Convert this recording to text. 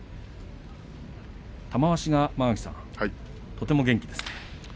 玉鷲がとても元気ですね。